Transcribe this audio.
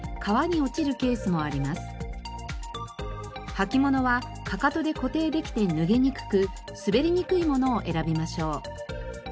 履物はかかとで固定できて脱げにくく滑りにくいものを選びましょう。